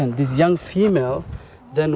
khi tầm giấc dậy